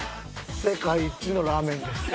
世界一のラーメンです。